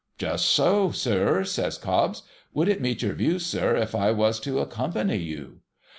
' Just so, sir,' says Cobbs. ' Would it meet your views, sir, if I was to accompany you